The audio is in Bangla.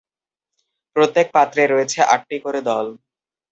প্রত্যেক পাত্রে রয়েছে আটটি করে দল।